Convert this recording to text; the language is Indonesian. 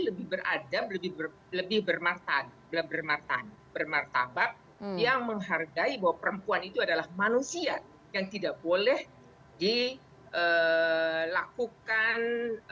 lebih beradab lebih bermartani lebih bermartani bermartabat yang menghargai bahwa perempuan itu adalah manusia yang tidak boleh dilakukan